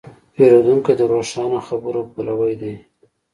پیرودونکی د روښانه خبرو پلوی دی.